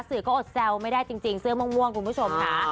ก็อดแซวไม่ได้จริงเสื้อม่วงคุณผู้ชมค่ะ